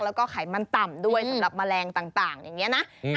แล้วก็ไขมันต่ำด้วยสำหรับแมลงต่างอย่างนี้นะ